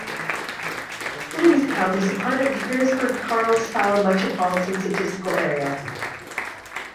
Williamstown is part of the Harrisburg-Carlisle Metropolitan Statistical Area.